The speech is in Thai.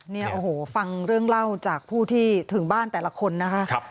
เนี่ยโอ้โหฟังเรื่องเล่าจากผู้ที่ถึงบ้านแต่ละคนนะคะ